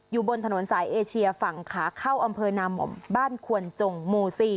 อยู่บนถนนสายเอเชียฝั่งขาเข้าอำเภอนามบ้านควนจงหมู่๔